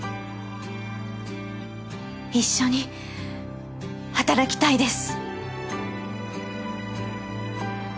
一緒に働きたいです。